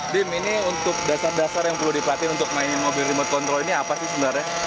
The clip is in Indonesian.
dim ini untuk dasar dasar yang perlu dipelatih untuk mainin mobil remote control ini apa sih sebenarnya